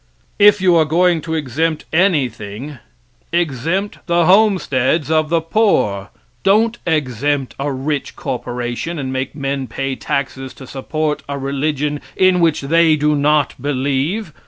If you are going to exempt anything, exempt the homesteads of the poor. Don't exempt a rich corporation, and make men pay taxes to support a religion in which they do not believe.